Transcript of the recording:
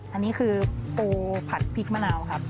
อันนี้คือปูผัดพริกมะนาวครับ